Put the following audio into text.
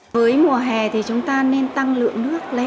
với mùa hè thì chúng ta nên tăng lượng nước lên